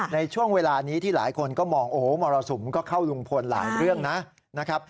ในช่วงเวลานี้ที่หลายคนก็มองโอ้โหมรสุมก็เข้าลุงพลหลายเรื่องนะครับ